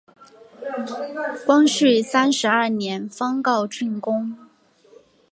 光绪三十二年方告竣工。